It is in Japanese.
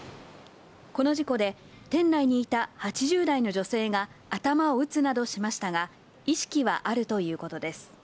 この事故で、店内にいた８０代の女性が頭を打つなどしましたが、意識はあるということです。